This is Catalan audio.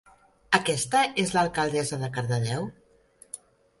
Aquesta és l'alcaldessa de Cardedeu?